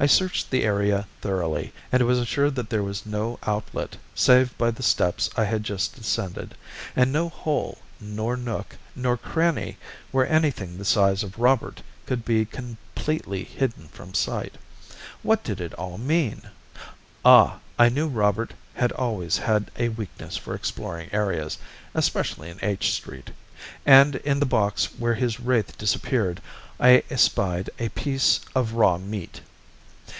I searched the area thoroughly, and was assured that there was no outlet, save by the steps I had just descended, and no hole, nor nook, nor cranny where anything the size of Robert could be completely hidden from sight. What did it all mean? Ah! I knew Robert had always had a weakness for exploring areas, especially in H Street, and in the box where his wraith disappeared I espied a piece of raw meat!